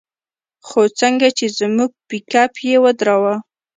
خو څنگه چې زموږ پېکپ يې ودراوه.